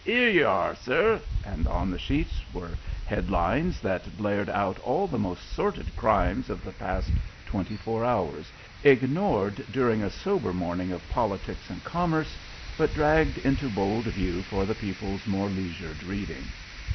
"'Ere yer are, sir," and on the sheets were headlines that blared out all the most sordid crimes of the past twenty four hours, ignored during a sober morning of politics and commerce, but dragged into bold view for the people's more leisured reading.